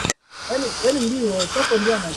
watera ambaye jana alikutana na marais watano